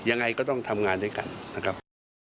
ยังไงก็ต้องทำงานด้วยกันนะครับ